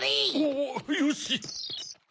おぉよし！